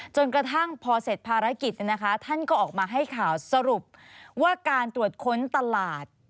จนกระทั่งพอเสร็จภารกิจท่านก็ออกมาให้ข่าวสรุปว่าการตรวจค้นตลาด